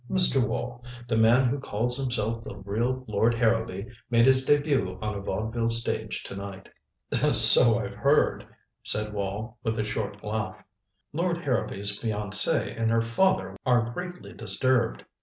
Mr. Wall, the man who calls himself the real Lord Harrowby made his debut on a vaudeville stage to night." "So I've heard," said Wall, with a short laugh. "Lord Harrowby's fiancée and her father are greatly disturbed.